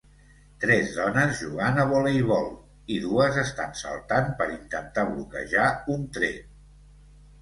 Tres dones jugant a voleibol i dues estan saltant per intentar bloquejar un tret.